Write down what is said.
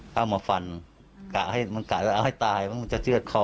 เข้ามาฟันเอาให้ตายมันจะเเสื้อขอ